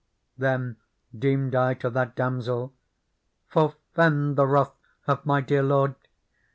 Then deemed ^ I to that damosel :" Forfend the wrath of my dear Lord